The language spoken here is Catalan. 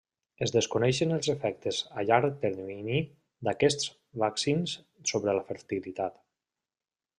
Es desconeixen els efectes a llarg termini d'aquests vaccins sobre la fertilitat.